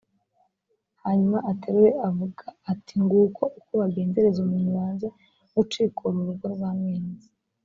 hanyuma aterure avuga ati «nguko uko bagenzereza umuntu wanze gucikura urugo rwa mwene se.